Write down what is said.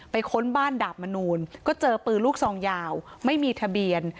ค้นบ้านดาบมนูลก็เจอปืนลูกซองยาวไม่มีทะเบียน